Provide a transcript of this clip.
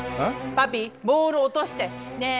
パピーボール落としてねえ